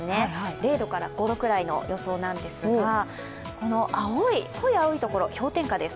０度から５度くらいの予想なんですが、濃い青いところ、氷点下です。